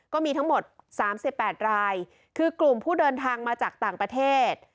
ก็มีทั้งหมด๓๘รายคือกลุ่มผู้เดินทางมาจากต่างประเทศ